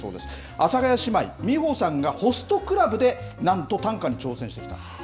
阿佐ヶ谷姉妹・美穂さんがホストクラブでなんと、短歌に挑戦しています。